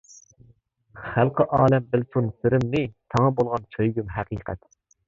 خەلقى ئالەم بىلسۇن سىرىمنى، ساڭا بولغان سۆيگۈم ھەقىقەت.